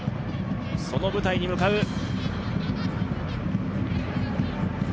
その舞台に向かう。